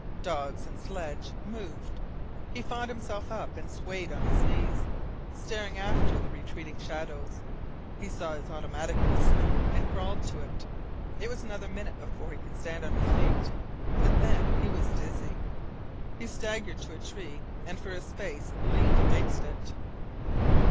Dogs and sledge moved. He fought himself up and swayed on his knees, staring after the retreating shadows. He saw his automatic in the snow and crawled to it. It was another minute before he could stand on his feet, and then he was dizzy. He staggered to a tree and for a space leaned against it.